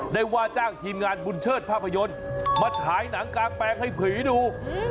ได้ว่าจ้างทีมงานบุญเชิดภาพยนตร์มาฉายหนังกลางแปลงให้ผีดู